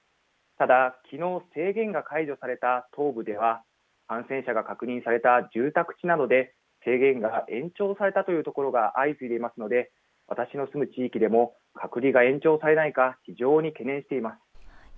ただ、きのう制限が解除された東部では、感染者が確認された住宅地などで制限が延長されたという所が相次いでいますので、私の住む地域でも隔離が延長されないか、非常に懸念しています。